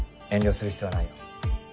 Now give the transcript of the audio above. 遠慮する必要はないよ。